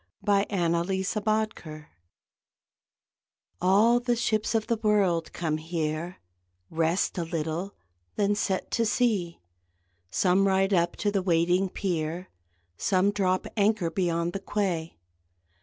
IN AN ORIENTAL HARBOUR All the ships of the world come here, Rest a little, then set to sea; Some ride up to the waiting pier, Some drop anchor beyond the quay.